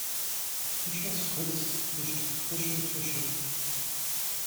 Fischers Fritz fischt frische Fische.